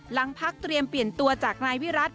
หลังพักเตรียมเปลี่ยนตัวจากนายวิรัติ